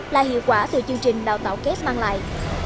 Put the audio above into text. là hiệu quả từ chương trình đào tạo kết mang lại